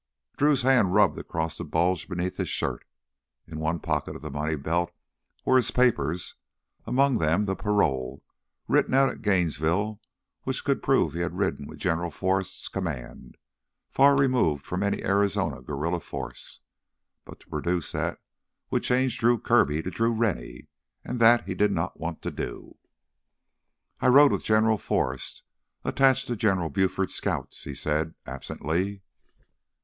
Drew's hand rubbed across the bulge beneath his shirt. In one pocket of the money belt were his papers, among them the parole written out in Gainesville which could prove he had ridden with General Forrest's command, far removed from any Arizona guerrilla force. But to produce that would change Drew Kirby to Drew Rennie, and that he did not want to do. "I rode with General Forrest, attached to General Buford's Scouts," he said absently.